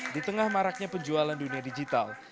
di tengah maraknya penjualan dunia digital